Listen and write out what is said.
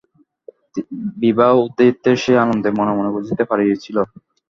বিভা উদয়াদিত্যের সে আনন্দ মনে মনে বুঝিতে পারিয়াছিল।